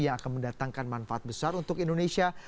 yang akan mendatangkan manfaat besar untuk indonesia